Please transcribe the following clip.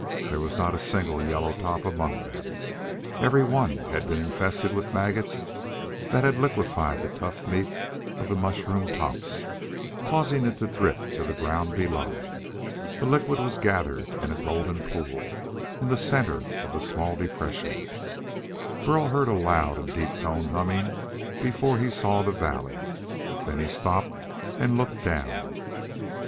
There was not a single yellow top among them. Every one had been infested with maggots that had liquefied the tough meat of the mushroom tops, causing it to drip to the ground below. The liquid was gathered in a golden pool in the center of the small depression. Burl heard a loud and deep toned humming before he saw the valley. Then he stopped and looked down.